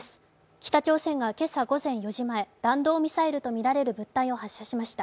北朝鮮が今朝午前４時前、弾道ミサイルとみられる物体を発射しました。